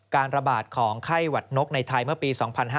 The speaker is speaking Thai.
การระบาดของไข้หวัดนกในไทยเมื่อปี๒๕๕๙